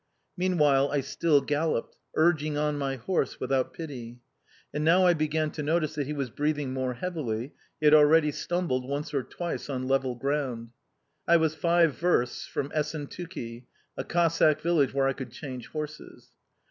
Meanwhile I still galloped, urging on my horse without pity. And, now, I began to notice that he was breathing more heavily; he had already stumbled once or twice on level ground... I was five versts from Essentuki a Cossack village where I could change horses.